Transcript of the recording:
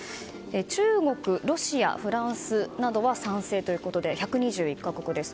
中国、ロシア、フランスなどは賛成ということで１２１か国です。